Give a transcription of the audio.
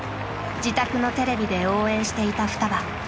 自宅のテレビで応援していたふたば。